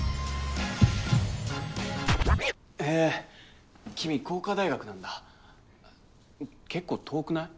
へえ君高花大学なんだ結構遠くない？